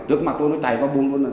trước mặt tôi nó chạy qua bùng luôn rồi